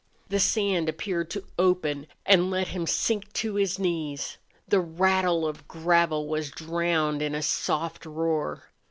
The sand appeared to open and let him sink to his knees. The rattle of gravel was drowned in a soft roar.